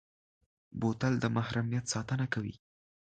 بوتل د محرمیت ساتنه کوي.